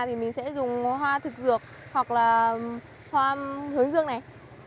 thì mình sẽ dùng hoa thược dược hoặc là hoa hồng dương này